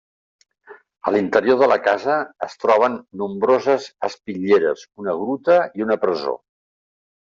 A l'interior de la casa es troben nombroses espitlleres, una gruta i una presó.